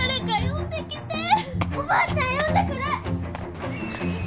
おばあちゃん呼んでくる！